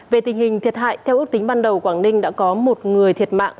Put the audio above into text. về tình hình thiệt hại theo ước tính ban đầu quảng ninh đã có một người thiệt mạng